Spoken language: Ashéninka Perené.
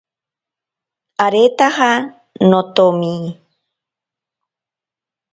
Aretaja notomi.